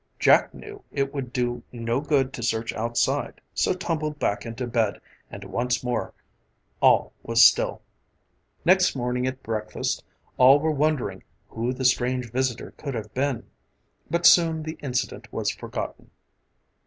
Jack knew it would do no good to search outside so tumbled back into bed and once more all was still. Next morning at breakfast all were wondering who the strange visitor could have been, but soon the incident was forgotten.